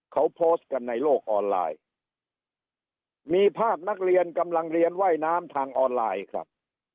เขาโพสต์กันในโลกออนไลน์มีภาพนักเรียนกำลังเรียนว่ายน้ำทางออนไลน์ครับ